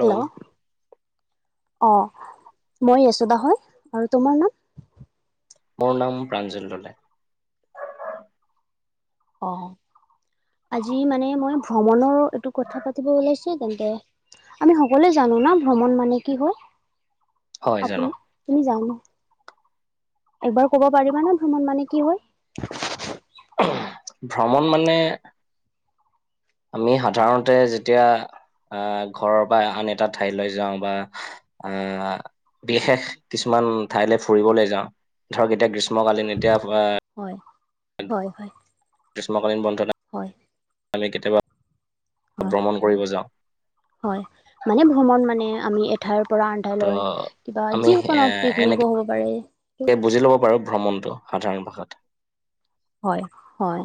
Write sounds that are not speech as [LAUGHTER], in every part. Hello! অঁ মই ৰেচোদা হয়। আৰু তোমাৰ নাম? মোৰ নাম প্ৰাঞ্জল ডলে। অ' আজি মানে মই ভ্ৰমণৰ এইটো কথা পাতিব ওলাইছে তেন্তে। আমি সকলোৱে জানো না ভ্ৰমণ মানে কি হয়? হয় জানো আপুনি তুমি যান এবাৰ ক'ব পাৰিবানে ভ্ৰমণ মানে কি হয়? ভ্ৰমণ মানে আমি সাধাৰণতে যেতিয়া আহ ঘৰৰ পৰা আন এটা ঠাইলৈ যাওঁ বা আঁহ বিশেষ কিছুমান ঠাইলৈ ফুৰিবলৈ যাওঁ ধৰক এতিয়া গ্ৰীষ্মকালীন এতিয়া হয় হয় হয়। গ্ৰীষ্মকালীন বন্ধত হয় আমি কেতিয়াবা হয়। ভ্ৰমণ কৰিব যাওঁ। হয়, মানে ভ্ৰমণ মানে আমি এঠাইৰ পৰা আন ত ঠাইলৈ কিবা আমি এ যিকোনো পিকনিকো এনেকে হ'ব পাৰে। বুজি ল'ব পাৰো ভ্ৰমণটো সাধাৰণ ভাষাত। হয়-হয়,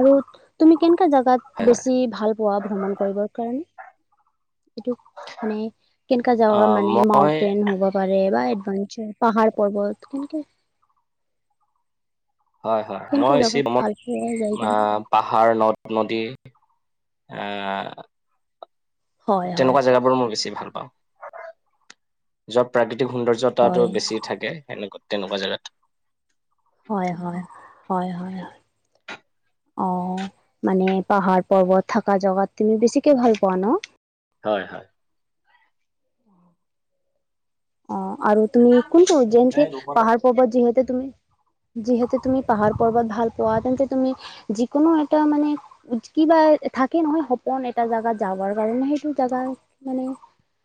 আৰু তুমি কেনকা হয় জাগাত হয় বেছি ভাল- পোৱা ভ্ৰমণ কৰিবৰ কাৰণে? এইটো মানে কেনকা যেগা আহ মানে মই মাউটেন হ'ব। হ'ব পাৰে বা এডভেঞ্চাৰ পাহাৰ পৰ্বত। [UNINTELLIGIBLE] হয়-হয়। কেনেকা মই জেগাত ভাল পোৱা যায় কেনে [UNINTELLIGIBLE] পাহাৰ, নদ-নদী আঁহ- হয় হয় তেনেকুৱা জাগাবোৰ মই বেছি ভাল পাওঁ। য'ত প্ৰাকৃতিক সৌন্দৰ্য্যতাটো হয় বেছি- থাকে সেনেকুৱা তেনেকুৱা জাগাত। হয়-হয়, হয়-হয়। অঁহ', মানে পাহাৰ পৰ্বত থকা জাগাত তুমি বেছিকে ভাল পোৱা ন? হয়-হয়। অহ', আৰু তুমি কোনটো যেনকে পাহাৰ-পৰ্বত যিহেতু তুমি- যিহেতু তুমি পাহাৰ-পৰ্বত ভাল পোৱা, তেন্তে তুমি যিকোনো এটা মানে- কিবা থাকে নহয় সপোন এটা জাগাত যাবাৰ কাৰণে, সেইটো জাগা মানে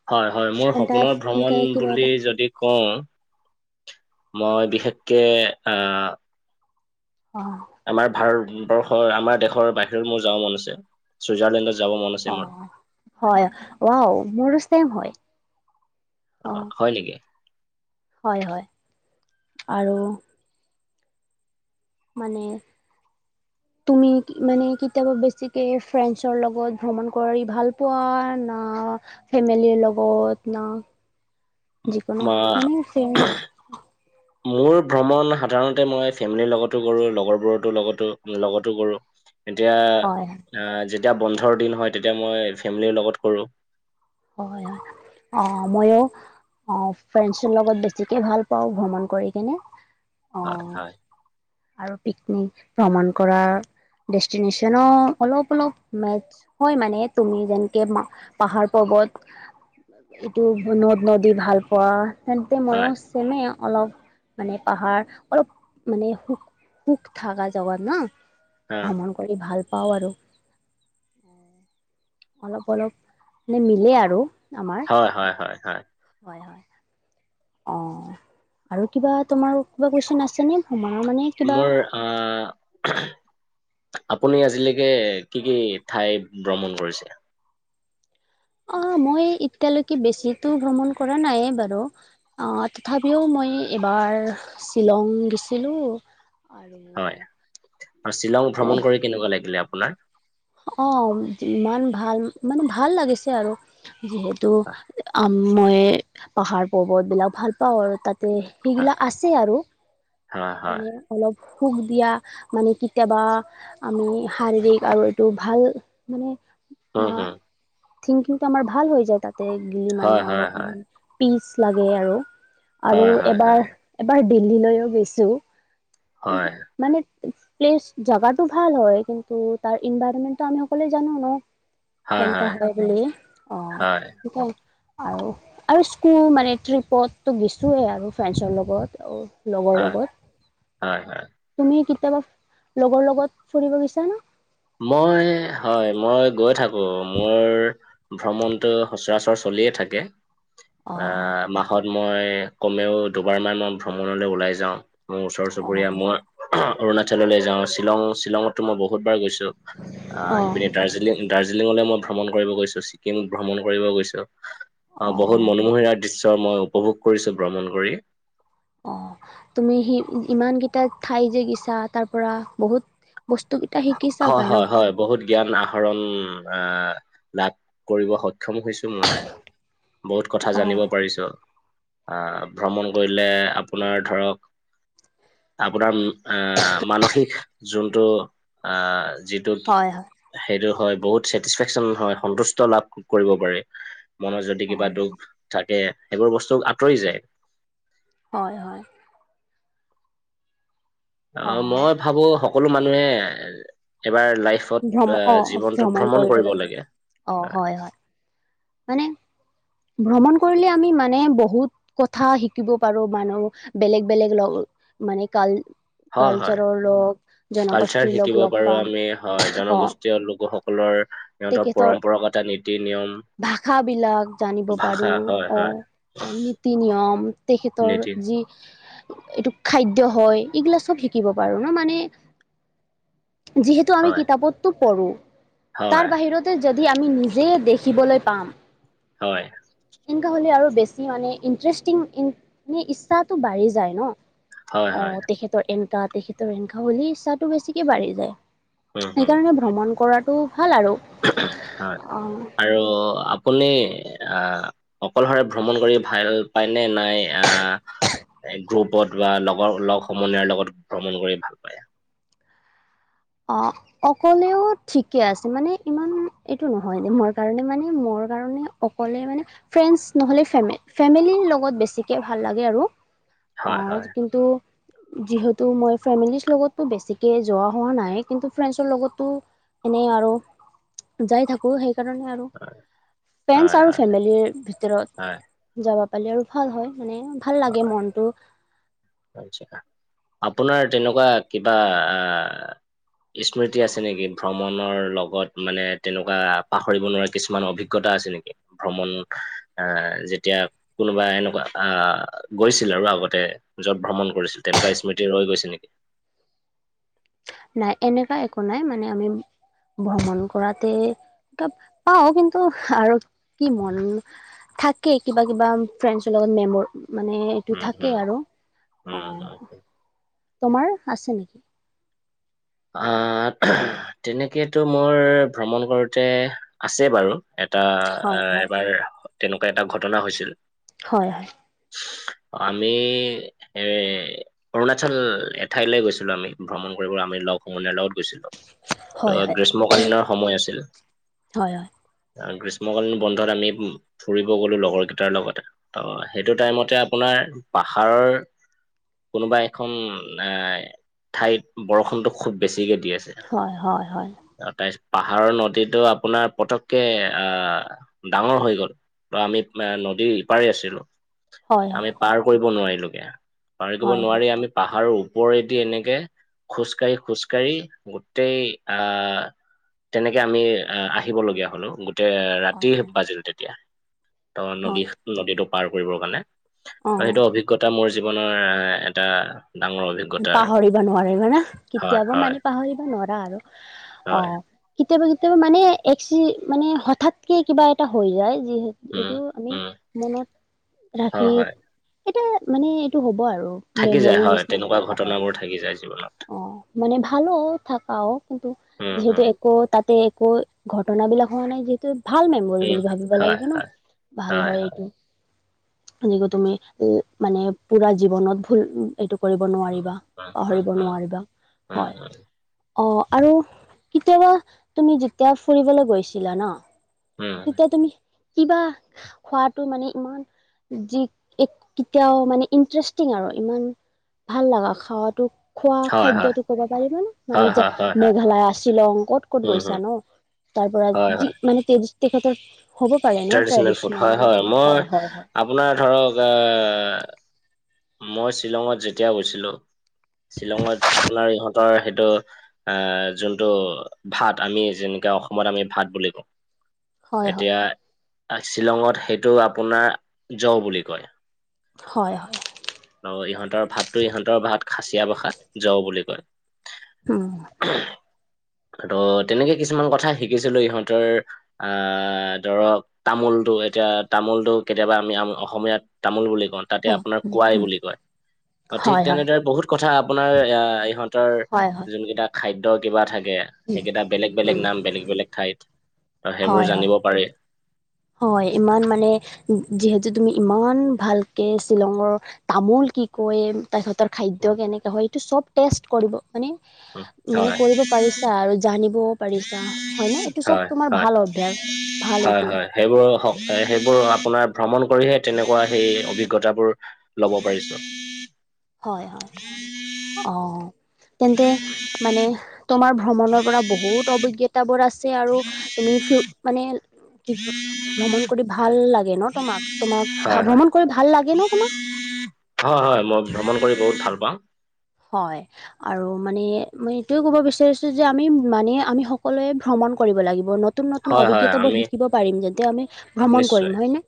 হয়-হয়। মোৰ এটাৰ সপোনত এ ভ্ৰমণ কিবা বুলি- এটা যদি কওঁ মই বিশেষকে আঁহ- অহ। আমাৰ ভাৰতবৰ্ষৰ আমাৰ দেশৰ বাহিৰত মোৰ যাব মন আছে, চুইজাৰলেণ্ডত যাব মন অ আছে মোৰ। হয়, ৱাও মোৰো ছেম হয়। অহ', হয় নেকি। হয়-হয়, আৰু- মানে- তুমি মানে কেতিয়াবা বেছিকে ফ্ৰেণ্ডছৰ লগত ভ্ৰমণ কৰি ভাল পোৱা না- ফেমিলি লগত না- যিকোনো মানে মাঁ। ফ্ৰেণ্ডছ [INAUDIBLE] মোৰ ভ্ৰমণ সাধাৰণতে মই ফেমিলিৰ লগতো কৰোঁ, লগৰবোৰতো লগতো কৰোঁ। এতিয়া হয় আহ', যেতিয়া বন্ধৰ দিন হয় তেতিয়া মই ফেমিলিৰ লগত কৰো। হয়-হয়। অ মইয়ো- অঁহ ', ফ্ৰেণ্ডছৰ লগত বেছিকে ভাল পাওঁ ভ্ৰমণ কৰি কিনে। হয়-হয়। আৰু পিকনিক ভ্ৰমণ কৰা ডেষ্টিনেচনো অলপ-অলপ মেচ- হয় মানে। তুমি যেনেকে পাহাৰ-পৰ্বত- ইটো নদ-নদী ভাল পোৱা। তেন্তে মইও হয় চেমে অলপ মানে পাহাৰ অলপ মানে সুখ- সুখ থাকা যাগাত ন অ ভ্ৰমণ কৰি ভাল পাওঁ আৰু। অলপ-অলপ মানে মিলে আৰু। হয়-হয়, হয়- হয়। হয়-হয়। অঁহ', - আৰু কিবা তোমাৰ কিবা কুৱেশন আছে নে ভ্ৰমণৰ মানে? মোৰ আহ [UNINTELLIGIBLE] আপুনি আজিলৈকে কি কি ঠাই ভ্ৰমণ কৰিছে? অঁহ ', মই এতিয়ালৈকে বেছিতো ভ্ৰমণ কৰা নাই বাৰু। অঁহ', তথাপিও মই এবাৰ শ্বিলং গেছিলোঁ। হয় আৰু শ্বিলং ভ্ৰমণ কৰি কেনেকুৱা লাগিলে আপোনাৰ? অৱ ইমান ভাল মানে ভাল লাগিছে আৰু যিহেতু হয়, আম মই পাহাৰ পৰ্বতবিলাক ভাল পাওঁ আৰু তাতে হয়, সিগিলাক আছে আৰু। হয়, হয়। মানে অলপ সুখ দিয়া, মানে কেতিয়াবা আমি শাৰীৰিক আৰু এইটো ভাল মানে উম, মা হুম। থিংকিংটো আমাৰ ভাল হৈ যায়, তাতে গ'লে মানে হয়, হয়, হয়। অলপমান। পিচ লাগে আৰু। আৰু হয়, হয়, এবাৰ, হয়। এবাৰ দিল্লীলৈও গৈছো গৈছো। কিন্তু হয়, মানে প্লেছ জাগাটো ভাল হয়। কিন্তু, তাৰ ইনভাইৰমেন্টটো আমি সকলোৱে জানো ন। কেনেকুৱা হয় বুলি। অৱ, হয়, তাকেই আৰু আৰু স্কুল মানে, ট্ৰিপতটো গৈছোৱেই আৰু ফ্ৰেণ্ডছৰ লগত অ লগৰ হয়, লগত। হয়, হয়। তুমি কেতিয়াবা লগৰ লগত ফুৰিব গৈছানে? মই, হয়। মই গৈ থাকোঁ। মোৰ ভ্ৰমণটো সচৰাচৰ চলিয়ে থাকে। অ আ মাহত মই, কমেও দুবাৰমান মই ভ্ৰমণলৈ ওলাই যাওঁ। মোৰ ওচৰ অ চুবুৰীয়া, মই অহ অৰুণাচললৈ যাওঁ। শ্বিলং, শ্বিলঙতটো মই বহুত বাৰ গৈছোঁ। আ সিপিনে দাৰ্জিলিং দাৰ্জিলিঙলৈ মই ভ্ৰমণ কৰিব গৈছোঁ, ছিকিম ভ্ৰমণ কৰিব গৈছোঁ। আ, অ বহুত মনোমোহাৰ দৃশ্য মই উপভোগ কৰিছোঁ ভ্ৰমণ কৰি। অ, তুমি সি ইমানকেইটা ঠাই যে গৈছা, তাৰপৰা বহুত বস্তুকেইটা শিকিচা হয় পায় ন! হয় হয় বহুত জ্ঞান আহৰণ আ লাভ কৰিব সক্ষম সক্ষম হৈছোঁ মই। বহুত কথা অ জানিব পাৰিছোঁ। আ ভ্ৰমণ কৰিলে আপোনাৰ ধৰক আপোনাৰ উম আ মানসিক যোনটো, আ যিটোত হয় হয় সেইটো হয়, বহুত চেটিছফেকচন হয় সন্তুষ্ট লাভ কৰিব পাৰি। মনত যদি অ কিবা দুখ থাকে, সেইবোৰ বস্তু আঁতৰি যায়। হয়, হয়। অ, মই ভাবোঁ সকলো মানুহে, এবাৰ লাইফ ভ্ৰম ফত এ অ জীৱনটো ভ্ৰমণ কৰিব লাগিব লাগে। অ এ হয় হয় মানে, ভ্ৰমণ কৰিলে আমি মানে বহুত কথা শিকিব পাৰোঁ। মানুহ, বেলেগ বেলেগ লগ মানে কাল হয়, হয়। কালচাৰৰ লগ কালচাৰ জনগোষ্ঠীৰ লগ শিকিব লগ পাৰোঁ পাম আমি। হয়, অ জনগোষ্ঠীয় লোকসকলৰ সিহঁতৰ তেখেতৰ পৰম্পৰাগত নীতি-নিয়ম। ভাষাবিলাক জানিব পাৰোঁ। হয় অৱ হয় অ, নীতি-নিয়ম। তেখেতৰ নীতি যি, এইটো খাদ্য হয়। এইবিলাক চব শিকিব পাৰোঁ ন! মানে, যিহেতু আমি হয় কিতাপত তো পঢ়ো, তাৰ হয় বাহিৰতে যদি আমি নিজে দেখিবলৈ পাম। হয়। এনেকুৱা হ'লে আৰু বেছি মানে ইণ্টছৰেষ্টিং ইং সেই ইচ্ছাটো বাঢ়ি যায় ন। হয় অৱ, হয় তেখেতৰ এনেকা, তেখেতৰ সেনেকা বুলি ইচ্ছাটো বেছিকে বাঢ়ি যায়। উম হম সেইকাৰণে ভ্ৰমণ কৰাটো ভাল আৰু। হয়, অ আৰু আপুনি আ অকলশৰে ভ্ৰমণ কৰি ভাল পায়নে নাই? আ এ গ্ৰুপত বা লগৰ লগ সমনিয়াৰ লগত ভ্ৰমণ কৰি ভাল পায়। অ অকলেও ঠিকে আছে। মানে, ইমান এইটো নহয় মাৰ কাৰণে মানে, মোৰ কাৰণে অকলে মানে, ফ্ৰেণ্ডছ নহ'লে ফেমে ফেমিলিৰ লগত বেছিকে ভাল লাগে আৰু। হয় হয় অ- কিন্তু, যিহেতু মই ফেমিলিছ্ লগতো বেছিকে যোৱা হোৱা নাই। নাই, কিন্তু ফ্ৰেণ্ডছৰ লগতো এনে আৰু যাই থাকোঁ, সেইকাৰণে আৰ ৰু হয় ফ্ৰেণ্ডছ আৰু হয় ফেমিলিৰ ভিতৰত হয় যাব পাৰিলে আৰু ভাল হয়, মানে ভাল লাগে হয় মনটো। আচ্ছা, আপোনাৰ তেনেকুৱা কিবা আ স্মৃতি আছে নিকি ভ্ৰমণৰ লগত মানে তেনেকুৱা পাহৰিব নোৱাৰা কিছুমান অভিগ গতা আছে নিকি ভ্ৰমণ এ যেতিয়া কোনোবা এনেকুৱা আহ গৈছিল আৰু আগতে য'ত ভ্ৰমণ কৰিছিল তেনেকুৱা স্মৃতি ৰৈ গৈছে নিকি নাই এনেকা একো নাই মানে আমি ভ্ৰমণ কৰাতে ত পাও কিন্তু আৰু কি মন থাকে কিবা কিবা ফ্ৰেণ্ডছৰ লগত মেমৰ মানে টো উম থাকে হম আৰু অ উম হম তোমাৰ আছে নেকি আহ তেনেকেতো মোৰ ভ্ৰমণ কৰোঁতে আছে বাৰু এটা হয় আহ হয়। এবাৰ তেনেকুৱা এটা ঘটনা হৈছিল হয় হয় আমি এ অৰুণাচল এঠাইলে গৈছিলো আমি ভ্ৰমণ কৰিব আমি লগ সমনীয়াৰ লগত গৈছিলো ত হয় হয় গ্ৰীষ্মকালীনৰ সময় আছিল হয় আৰ গ্ৰীষ্মকালীন বন্ধত আমিম ফুৰিব গলো লগৰ দুটাৰ লগতে ত সেইটো টাইমতে আপোনাৰ পাহাৰ কোনোবা এখন এ ঠাইত বৰষুণটো খুব বেছিকে দি আছে হয় হয় হয় আ তাছত পাহাৰৰ নদীটো আপোনাৰ পতক কে আহ ডাঙৰ হৈ গল ত আমি এ নদীৰ ইপাৰে আছিলো হয় হয় হয়। আমি পাৰ কৰিব নোৱাৰিলোগে আ পাৰ কৰিব হয়। হয় নোৱাৰি আমি পাহাৰৰ ওপৰেদি এনেকে খোজ কাঢ়ি খোজকাঢ়ি গোটেই আহ তেনেকে আমি আহ আহিবলগীয়া হল অ তে হয় ৰাতি বাজিল তেতিয়া ত নদী হয় নদীটো পাৰ কৰিবৰ কাৰণে অ ত সেইটো অভিজ্ঞতা মোৰ জীৱনৰ এটা ডাঙৰ অভি পাহৰিব নোৱাৰি হয় না কেতিয়াবা হয় মানে পাহৰিব নোৱাৰা আৰু অ হয় কেতিয়াবা কেতিয়াবা মানে একচি মানে হঠাৎকে কিবা এটা হৈ যায় যি উম এইটো আমি উম মনত ৰাখি হয় হয় এইটো মানে এইটো হ'ব আৰু থাকি যায় মেমৰি হয় নিচ তেনেকুৱা [UNINTELLIGIBLE] হয় ঘটনাবোৰ থাকি যায় জীৱনত অ মানে ভালও থাকাও কিন্তু যিহেতু এক ত তাতে একো ঘটনা বিলাক হোৱা নাই যিহেতু ভাল মেমৰি বুলি ভাবিব লাগিব ন ভাল হয় এইটো তুমি উম মানে পুৰা জীৱনত ভুল এইটো কৰিব নোৱাৰিবা পাহৰিব নোৱাৰিবা হয় [UNINTELLIGIBLE] অ আৰু কেতিয়াবা তুমি যেতিয়া ফুৰিবলৈ গৈছিলা ন উম তেতিয়া তুমি কিবা খোৱাটো মানে ইমান যি এক কেতিয়াও মানে ইণ্টাৰেষ্টিং আৰু ইমান ভাল লাগা খাৱাতো খোৱা খাদ্যটো ক'বা পাৰিবানা মানে [UNINTELLIGIBLE] মেঘালয় শ্বিলং ক'ত ক'ত গৈছা ন তাৰ পাৰা যি মানে তে তেখেতৰ হ'ব পাৰে ন ফুড ট্ৰেডিশনেল হয় বিলাক মই হয় হয় হয় আপোনাৰ ধৰক এ মই শ্বিলঙত যেতিয়া গৈছিলো শ্বিলঙত আপোনাৰ ইহঁতৰ সেইটো আহ যোনটো ভাত আমি যেনেকে অসমত আমি ভাত বুলি কওঁ হয় হয় এতিয়া শ্বিলঙত সেইটো আপোনাৰ জ বুলি কয় হয় হয় আৰু ইহঁতৰ ভাতটো ইহঁতৰ ভাত খাচিয়া ভাষাত জ বুলি কয় [INAUDIBLE] ত তেনেকে কিছুমান কথা শিকিছিলো ইহঁতৰ আ ধৰক তামোলটো এতিয়া তামোলটো কেতিয়াবা আমি অসমীয়াত তামোল বুলি কওঁ তাতে আপোনাৰ হয় হয় কোৱাই বুলি কয় ঠিক হয় হয় তেনেধৰে বহুত কথা আপোনাৰ সিহঁতৰ হয় হয় যোন কিটা খাদ্যয কিবা থাকে সেইকেইটা বেলেগ বেলেগ নাম বেলেগ বেলেগ ঠাইত ত' সেইবোৰ হয় হয় জানিব পাৰি হয় ইমান মানে যিহেতু তুমি ইমান ভালকে শ্বিলঙৰ তামোল কি কয় তা সিহঁতৰ খাদ্য উম, কেনেকে হয় এইটো চব টেষ্ট কৰিব মানে উম, মানে হয় কৰিব পাৰিছা আৰু জানিবও পাৰিছা হয় নে এইটো চব হয় তোমাৰ হয় ভাল অভ্যাস ভাল হয় এইটো হয় সেইবোৰ সেইবোৰ আপোনাৰ ভ্ৰমণ কৰিহে তেনেকুৱা সেই অভিজ্ঞতাবোৰ ল'ব পাৰিছো হয় হয় অ তেন্তে মানে তোমাৰ ভ্ৰমণৰ পৰা বহুত অভিজ্ঞতা বোৰ আছে আৰু তুমি ফিউ মানে কি কয় ভ্ৰমণ কৰি ভাল লাগে ন তোমাক হয় তোমাক হয় ভ্ৰমণ কৰি ভাল লাগে ন তোমাক হয় হয় মই ভ্ৰমণ কৰি বহুত ভাল পাওঁ হয় আৰু মানে মই এইটোয়ে কব বিচাৰিছো যে আমি মানে আমি সকলোৱে ভ্ৰমণ কৰিব লাগিব ন নতুন নতুন হয় হয় অভিজ্ঞতাবোৰ আমি শিকিব পাৰিম যাতে আমি ভ্ৰমণ নিশ্চয় কৰিম হয় নে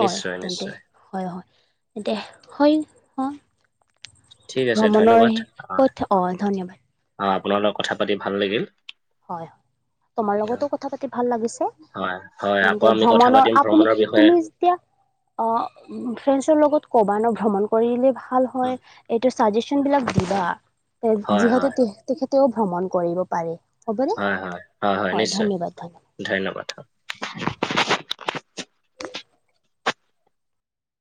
হয় নিশ্চয় তেন্তে নিশ্চয় হয় হয় তেন্তে হয় অ ঠিক আছে ভ্ৰমণৰ ধন্যবাদ অ কথা ধন্যবাদ অঁ আপোনাৰ লগত কথা পাতি ভাল লাগিল হয় তোমাৰ আহ, লগতো কথা পাতি ভাল লাগিছে হয় হয় আকৌ তেন্তে আমি কথা ভ্ৰমণৰ পাতিম আপুনি ভ্ৰমণৰ বিষয়ে তুমি এতিয়া অ ফ্ৰেন্সৰ লগত ক'বা ন ভ্ৰমণ কৰিলে ভাল হয় উম, হয় এইটো চাজেচন উম, বিলাক দিবা হয় যিহেতু হয় তু তেখেতেও ভ্ৰমণ কৰিব পাৰে হ'বনে হয় হয় হয় হয় নিশ্চয় ধন্যবাদ ধন্যবাদ ধন্যবাদ